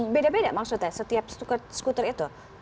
beda beda maksudnya setiap skuter itu